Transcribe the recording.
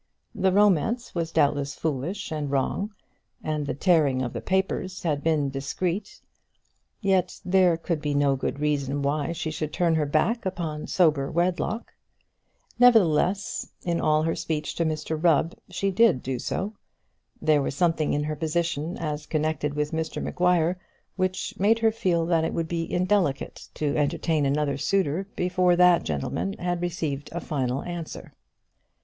The romance was doubtless foolish and wrong, and the tearing of the papers had been discreet, yet there could be no good reason why she should turn her back upon sober wedlock. Nevertheless, in all her speech to Mr Rubb she did do so. There was something in her position as connected with Mr Maguire which made her feel that it would be indelicate to entertain another suitor before that gentleman had received a final answer.